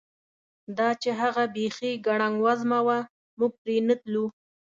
دا چې هغه بیخي ګړنګ وزمه وه، موږ پرې نه تلو.